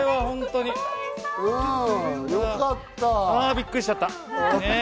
びっくりしちゃった。